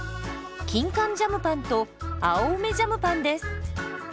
キンカンジャムパンと青梅ジャムパンです。